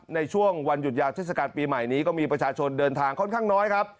ในช่วงวันหยุดยาวเทศกาลปีใหม่นี้ก็มีประชาชนเดินทางค่อนข้างน้อยครับ